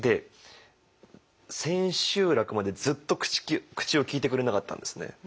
千秋楽までずっと口を利いてくれなかったんですね。